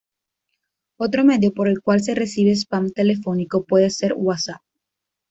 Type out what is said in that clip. Otro medio por el cual se recibe "spam" telefónico puede ser "WhatsApp".